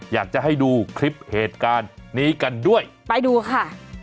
อยากจะให้ดูคลิปเหตุการณ์นี้กันด้วยไปดูค่ะ